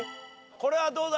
これはどうだ？